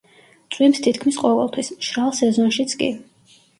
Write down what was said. წვიმს თითქმის ყოველთვის, მშრალ სეზონშიც კი.